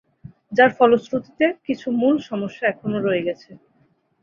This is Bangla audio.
যার ফলশ্রুতিতে কিছু মূল সমস্যা এখনো রয়ে গেছে।